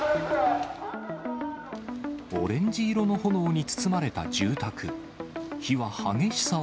オレンジ色の炎に包まれた住宅。